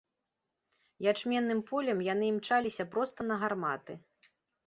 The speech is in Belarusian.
Ячменным полем яны імчаліся проста на гарматы.